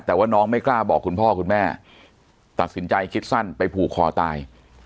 แต่ว่าน้องไม่กล้าบอกคุณพ่อคุณแม่ตัดสินใจคิดสั้นไปผูกคอตาย